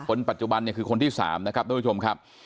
คนปัจจุบันเนี่ยคือคนที่๓นะครับทุกผู้ชมครับ